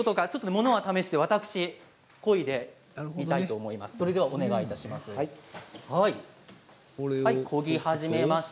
ものは試しで私こいでみたいと思います。